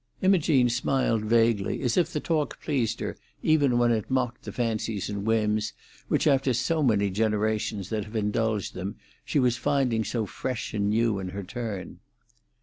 Imogene smiled vaguely, as if the talk pleased her, even when it mocked the fancies and whims which, after so many generations that have indulged them, she was finding so fresh and new in her turn.